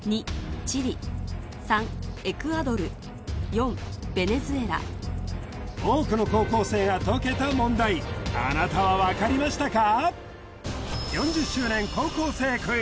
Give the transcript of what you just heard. イギリスの生物学者多くの高校生が解けた問題あなたは分かりましたか？